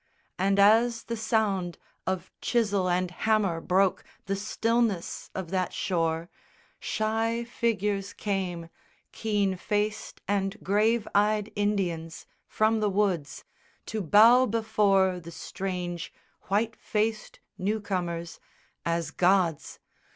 And as the sound of chisel and hammer broke The stillness of that shore, shy figures came, Keen faced and grave eyed Indians, from the woods To bow before the strange white faced newcomers As gods.